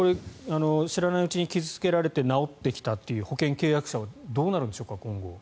知らないうちに傷付けられて直ってきたという保険契約者はどうなるんでしょうか、今後。